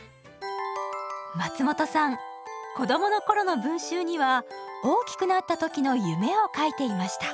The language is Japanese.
松本さん子供の頃の文集には大きくなった時の夢を書いていました。